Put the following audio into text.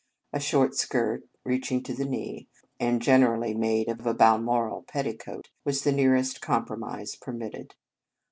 A short skirt, reaching to the knee, and generally made of a balmoral petticoat, was the nearest compromise permitted.